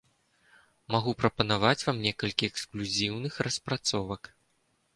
Магу прапанаваць вам некалькі эксклюзіўных распрацовак.